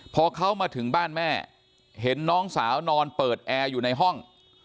พอเขามาถึงบ้านแม่เห็นน้องสาวนอนเปิดแอร์อยู่ในห้อง